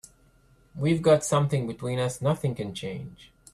We've got something between us nothing can change.